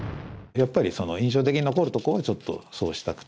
やっぱり印象的に残るとこはちょっとそうしたくて。